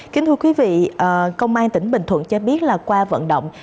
kính thưa quý vị công an tỉnh bình thuận cho biết là qua vận động